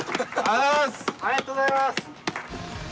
ありがとうございます。